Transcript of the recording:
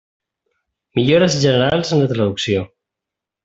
Millores generals en la traducció.